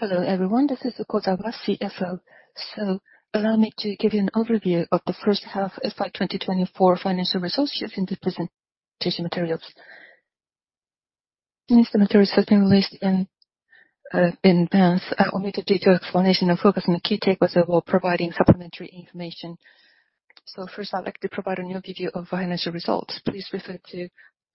Hello everyone, this is the Kozawa CFO. So, allow me to give you an overview of the First Half of FY 2024 Financial Results using the presentation materials. Since the materials have been released in advance, I will make a detailed explanation, focus on the key takeaways while providing supplementary information. So first, I'd like to provide an overview of financial results. Please refer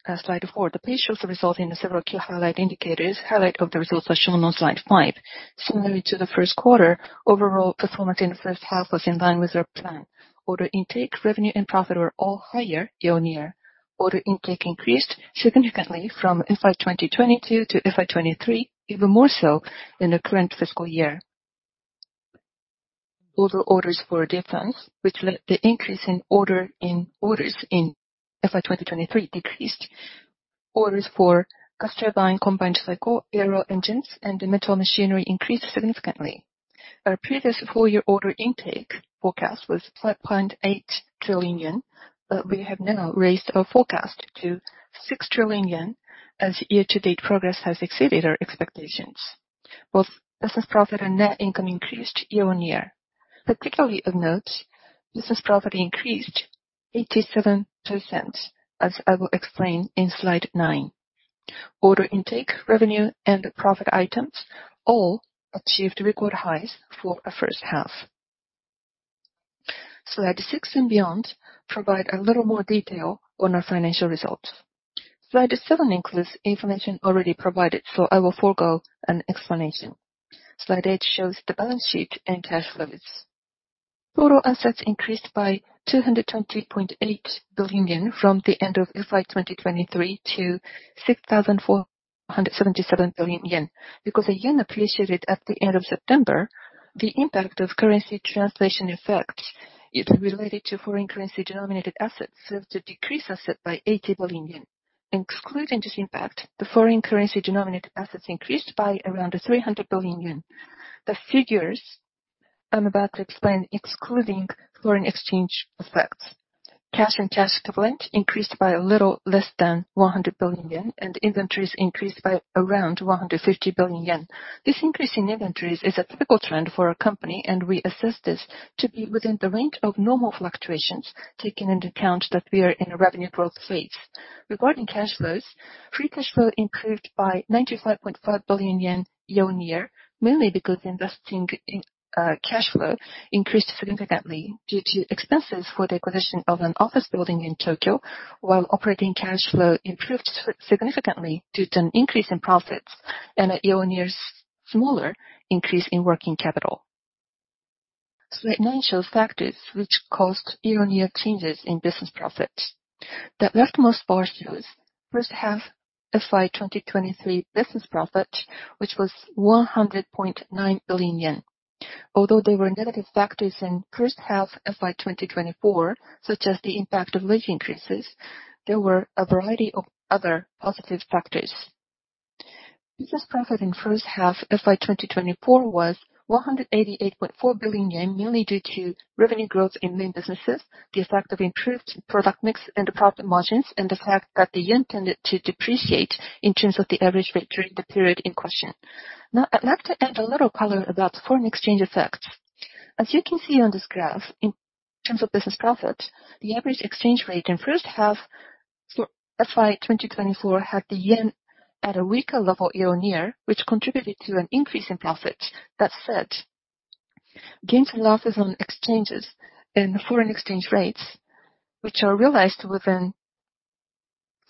to slide four. The page shows the results in several key highlight indicators. Highlights of the results are shown on slide five. Similarly to the first quarter, overall performance in the first half was in line with our plan. Order intake, revenue, and profit were all higher year-on-year. Order intake increased significantly from FY 2022 to FY 2023, even more so than the current fiscal year. Orders for defense, which led to an increase in orders in FY 2023, decreased. Orders for Gas Turbine Combined Cycle, Aero Engines, and the Metals Machinery increased significantly. Our previous four-year order intake forecast was 5.8 trillion yen, but we have now raised our forecast to 6 trillion yen as year-to-date progress has exceeded our expectations. Both Business Profit and net income increased year-on-year. Particularly of note, business profit increased 87%, as I will explain in slide nine. Order intake, revenue, and profit items all achieved record highs for our first half. Slide six and beyond provide a little more detail on our financial results. Slide seven includes information already provided, so I will forego an explanation. Slide eight shows the balance sheet and cash flows. Total assets increased by 220.8 billion yen from the end of FY 2023 to 6,477 billion yen. Because the yen appreciated at the end of September, the impact of currency translation effects related to foreign currency-denominated assets served to decrease assets by 80 billion yen. Excluding this impact, the foreign currency-denominated assets increased by around 300 billion yen. The figures I'm about to explain excluding foreign exchange effects. Cash and cash equivalent increased by a little less than 100 billion yen, and inventories increased by around 150 billion yen. This increase in inventories is a typical trend for a company, and we assess this to be within the range of normal fluctuations, taking into account that we are in a revenue growth phase. Regarding cash flows, free cash flow improved by 95.5 billion yen year-on-year, mainly because investing cash flow increased significantly due to expenses for the acquisition of an office building in Tokyo, while operating cash flow improved significantly due to an increase in profits and a year-on-year smaller increase in working capital. Slide nine shows factors which caused year-on-year changes in business profit. The leftmost bar shows first half FY 2023 business profit, which was 100.9 billion yen. Although there were negative factors in first half FY 2024, such as the impact of wage increases, there were a variety of other positive factors. Business profit in first half FY 2024 was 188.4 billion yen, mainly due to revenue growth in main businesses, the effect of improved product mix and the profit margins, and the fact that the yen tended to depreciate in terms of the average rate during the period in question. Now, I'd like to add a little color about foreign exchange effects. As you can see on this graph, in terms of business profit, the average exchange rate in first half FY 2024 had the yen at a weaker level year-on-year, which contributed to an increase in profits. That said, gains and losses on exchanges and foreign exchange rates, which are realized within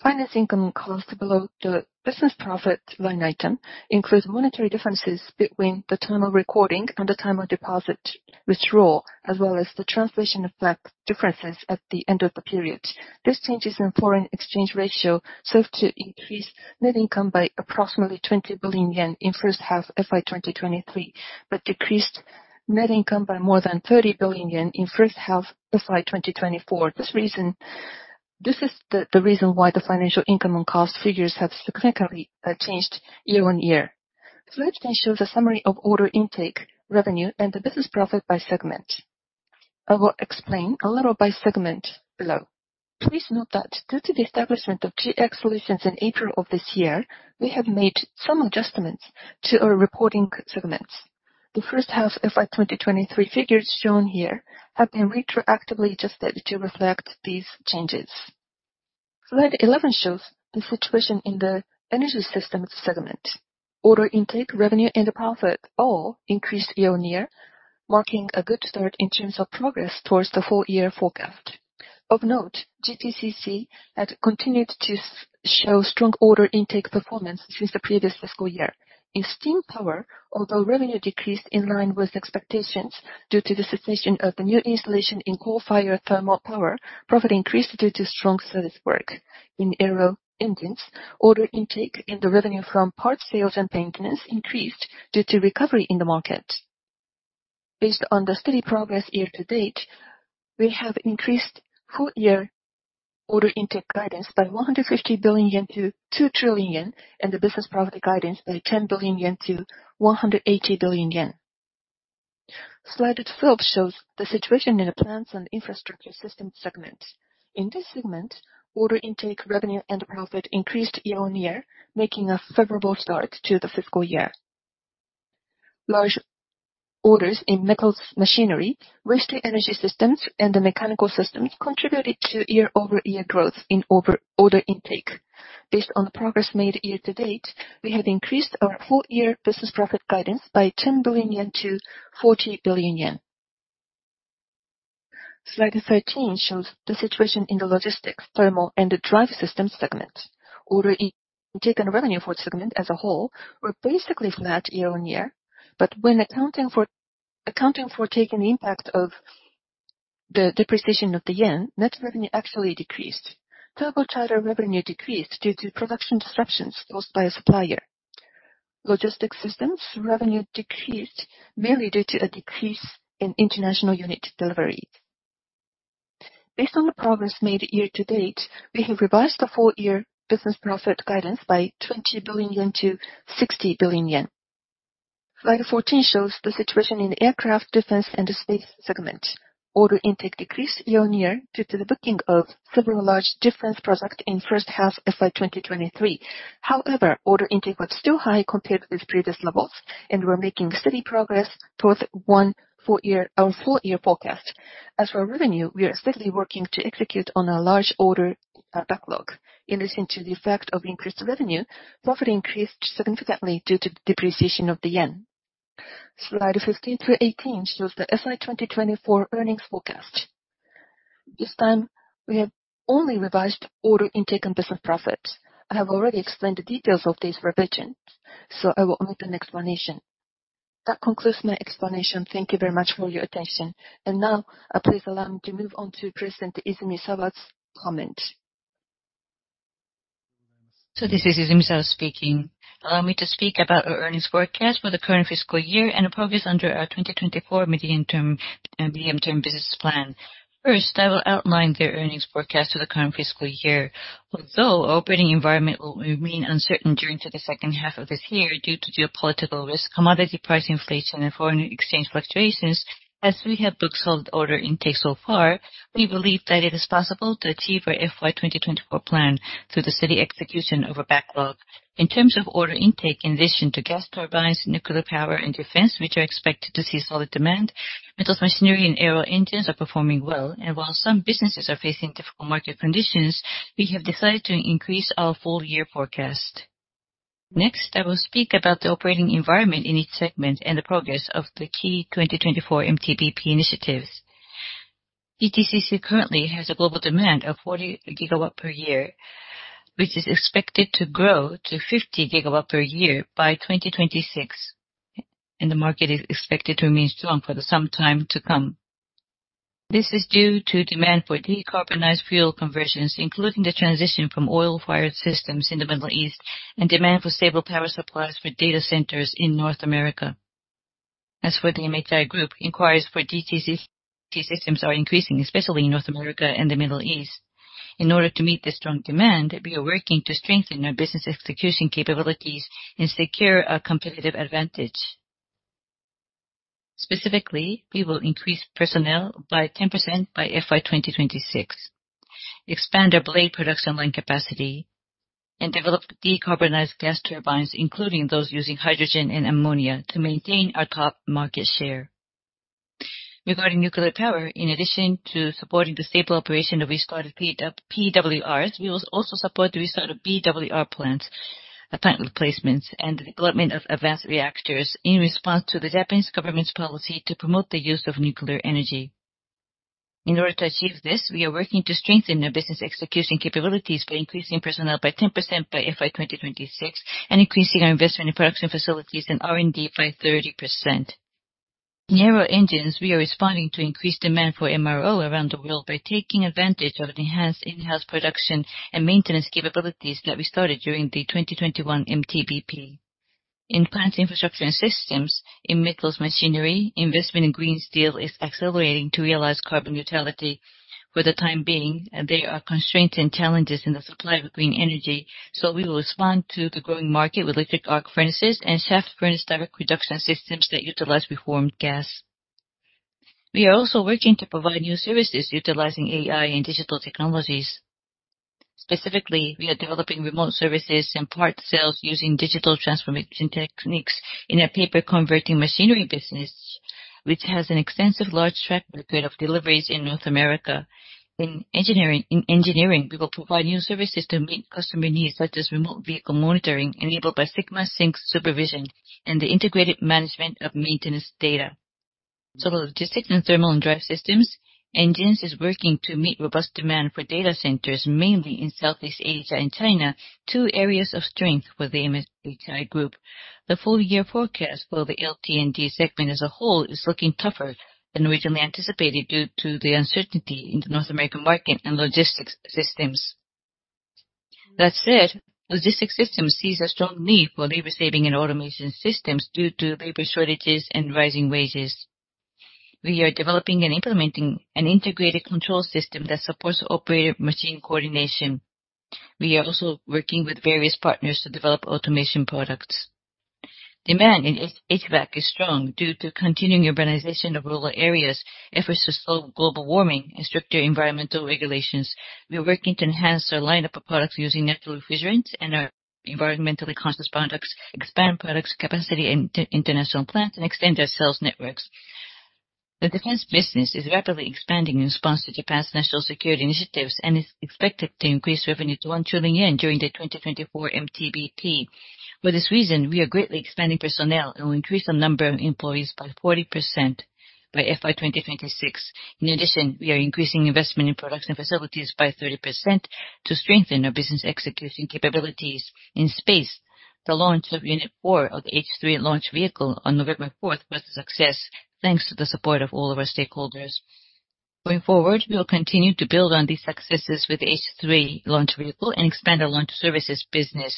finance income cost below the business profit line item, include monetary differences between the time of recording and the time of deposit withdrawal, as well as the translation of float differences at the end of the period. These changes in foreign exchange ratio served to increase net income by approximately 20 billion yen in first half FY 2023, but decreased net income by more than 30 billion yen in first half FY 2024. This is the reason why the financial income and cost figures have significantly changed year-on-year. Slide 10 shows a summary of order intake, revenue, and the business profit by segment. I will explain a little by segment below. Please note that due to the establishment of GX Solutions in April of this year, we have made some adjustments to our reporting segments. The first half FY 2023 figures shown here have been retroactively adjusted to reflect these changes. Slide 11 shows the situation in the Energy Systems segment. Order intake, revenue, and the profit all increased year-on-year, marking a good start in terms of progress towards the full-year forecast. Of note, GTCC had continued to show strong order intake performance since the previous fiscal year. In Steam Power although revenue decreased in line with expectations due to the cessation of the new installation in coal-fired thermal power, profit increased due to strong service work. In Aero Engines, order intake in the revenue from parts sales and maintenance increased due to recovery in the market. Based on the steady progress year-to-date, we have increased full-year order intake guidance by 150 billion yen to 2 trillion yen, and the business profit guidance by 10 billion yen to 180 billion yen. Slide 12 shows the situation in the Plants & Infrastructure Systems segment. In this segment, order intake, revenue, and profit increased year-on-year, making a favorable start to the fiscal year. Large orders in Metals Machinery, Waste-to-Energy systems, and the mechanical systems contributed to year-over-year growth in order intake. Based on the progress made year-to-date, we have increased our full-year business profit guidance by 10 billion yen to 40 billion yen. Slide 13 shows the situation in the Logistics, Thermal & Drive Systems segment. Order intake and revenue for the segment as a whole were basically flat year-on-year, but when accounting for taking the impact of the depreciation of the yen, net revenue actually decreased. Turbocharger revenue decreased due to production disruptions caused by a supplier. Logistics Systems revenue decreased mainly due to a decrease in international unit delivery. Based on the progress made year-to-date, we have revised the full-year business profit guidance by 20 billion yen to 60 billion yen. Slide 14 shows the situation in the Aircraft, Defense & Space segment. Order intake decreased year-on-year due to the booking of several large defense projects in first half FY 2023. However, order intake was still high compared with previous levels, and we're making steady progress towards one full-year forecast. As for revenue, we are steadily working to execute on a large order backlog. In addition to the effect of increased revenue, profit increased significantly due to the depreciation of the yen. Slide 15 through 18 shows the FY 2024 earnings forecast. This time, we have only revised order intake and business profit. I have already explained the details of these revisions, so I will omit an explanation. That concludes my explanation. Thank you very much for your attention. And now, please allow me to move on to President Izumisawa's comment. This is Izumisawa speaking. Allow me to speak about our earnings forecast for the current fiscal year and the progress under our 2024 medium-term business plan. First, I will outline the earnings forecast for the current fiscal year. Although our operating environment will remain uncertain during the second half of this year due to geopolitical risk, commodity price inflation, and foreign exchange fluctuations, as we have booked solid order intake so far, we believe that it is possible to achieve our FY 2024 plan through the steady execution of a backlog. In terms of order intake, in addition to gas turbines, nuclear power, and defense, which are expected to see solid demand, metals, machinery, and aero engines are performing well. And while some businesses are facing difficult market conditions, we have decided to increase our full-year forecast. Next, I will speak about the operating environment in each segment and the progress of the key 2024 MTBP initiatives. GTCC currently has a global demand of 40 gigawatts per year, which is expected to grow to 50 gigawatts per year by 2026, and the market is expected to remain strong for some time to come. This is due to demand for decarbonized fuel conversions, including the transition from oil-fired systems in the Middle East and demand for stable power supplies for data centers in North America. As for the MHI Group, inquiries for GTCC systems are increasing, especially in North America and the Middle East. In order to meet this strong demand, we are working to strengthen our business execution capabilities and secure a competitive advantage. Specifically, we will increase personnel by 10% by FY 2026, expand our blade production line capacity, and develop decarbonized gas turbines, including those using hydrogen and ammonia, to maintain our top market share. Regarding nuclear power, in addition to supporting the stable operation of restarted PWRs, we will also support the restart of BWR plants, plant replacements, and the development of advanced reactors in response to the Japanese government's policy to promote the use of nuclear energy. In order to achieve this, we are working to strengthen our business execution capabilities by increasing personnel by 10% by FY 2026 and increasing our investment in production facilities and R&D by 30%. In aero engines, we are responding to increased demand for MRO around the world by taking advantage of enhanced in-house production and maintenance capabilities that we started during the 2021 MTBP. In plants, infrastructure, and systems, in metals, machinery, investment in green steel is accelerating to realize carbon neutrality. For the time being, there are constraints and challenges in the supply of green energy, so we will respond to the growing market with electric arc furnaces and shaft furnace direct reduction systems that utilize reformed gas. We are also working to provide new services utilizing AI and digital technologies. Specifically, we are developing remote services, and part sales using digital transformation techniques in a Paper-Converting Machinery business, which has an extensive large track record of deliveries in North America. In engineering, we will provide new services to meet customer needs, such as remote vehicle monitoring enabled by ΣSynX Supervision, and the integrated management of maintenance data. The Logistics, Thermal & Drive Systems engines are working to meet robust demand for data centers, mainly in Southeast Asia, and China, two areas of strength for the MHI Group. The full-year forecast for the LT&D segment as a whole is looking tougher than originally anticipated due to the uncertainty in the North American market, and logistics systems. That said, logistics systems see a strong need for labor-saving, and automation systems due to labor shortages, and rising wages. We are developing, and implementing an integrated control system that supports operator-machine coordination. We are also working with various partners to develop automation products. Demand in HVAC is strong due to continuing urbanization of rural areas, efforts to slow global warming, and stricter environmental regulations. We are working to enhance our lineup of products using natural refrigerants, and our environmentally conscious products, expand product capacity in international plants, and extend our sales networks. The defense business is rapidly expanding in response to Japan's national security initiatives, and is expected to increase revenue to 1 trillion yen during the 2024 MTBP. For this reason, we are greatly expanding personnel, and will increase the number of employees by 40% by FY 2026. In addition, we are increasing investment in production facilities by 30% to strengthen our business execution capabilities in space. The launch of Unit 4 of the H3 launch vehicle on November 4 was a success, thanks to the support of all of our stakeholders. Going forward, we will continue to build on these successes with the H3 launch vehicle, and expand our launch services business.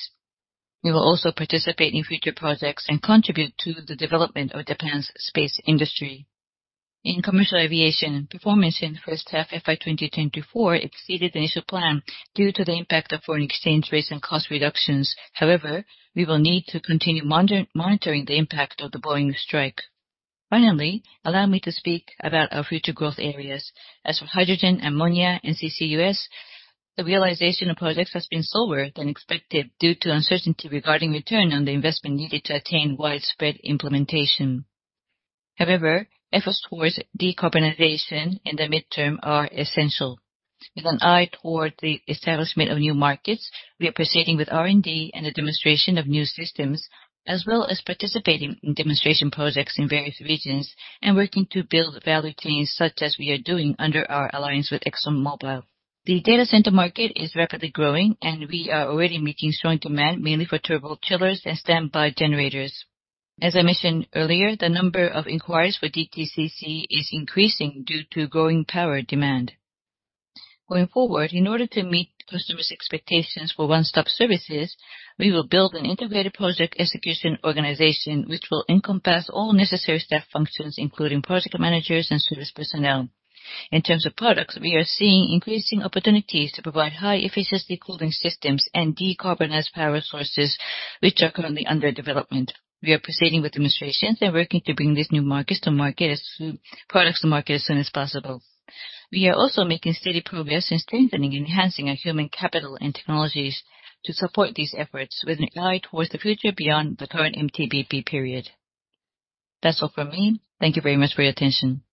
We will also participate in future projects, and contribute to the development of Japan's space industry. In Commercial Aviation, performance in the first half FY 2024 exceeded the initial plan due to the impact of foreign exchange rates, and cost reductions. However, we will need to continue monitoring the impact of the Boeing strike. Finally, allow me to speak about our future growth areas. As for hydrogen, ammonia, and CCUS, the realization of projects has been slower than expected due to uncertainty regarding return on the investment needed to attain widespread implementation. However, efforts towards decarbonization in the midterm are essential. With an eye toward the establishment of new markets, we are proceeding with R&D, and the demonstration of new systems, as well as participating in demonstration projects in various regions, and working to build value chains, such as we are doing under our alliance with ExxonMobil. The data center market is rapidly growing, and we are already meeting strong demand, mainly for turbochillers, and standby generators. As I mentioned earlier, the number of inquiries for GTCC is increasing due to growing power demand. Going forward, in order to meet customers' expectations for one-stop services, we will build an integrated project execution organization, which will encompass all necessary staff functions, including project managers, and service personnel. In terms of products, we are seeing increasing opportunities to provide high-efficiency cooling systems, and decarbonized power sources, which are currently under development. We are proceeding with demonstrations, and working to bring these new markets to market as products as soon as possible. We are also making steady progress in strengthening, and enhancing our human capital, and technologies to support these efforts with an eye towards the future beyond the current MTBP period. That's all from me. Thank you very much for your attention.